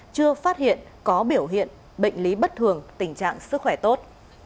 chưa phát hiện có biểu hiện bệnh lý bất thường tình trạng sức khỏe tốt